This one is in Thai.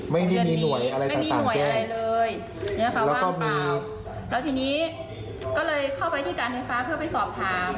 ไม่มีหน่วยอะไรต่างแจ้งแล้วทีนี้ก็เลยเข้าไปที่การเนฟฟ้าเพื่อไปสอบถาม